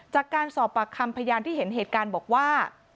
จากการสอบปากคำพยานที่เห็นเหตุการณ์บอกว่า